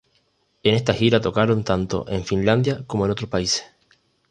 En esta gira tocaron tanto en Finlandia como en otros países.